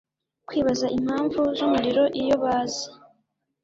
kwibaza impamvu zumuriro Iyo baza